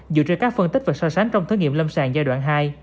dựa trên các phân tích và so sánh trong thử nghiệm lâm sàng giai đoạn hai